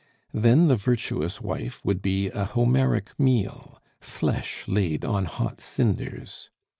Then the virtuous wife would be a Homeric meal, flesh laid on hot cinders.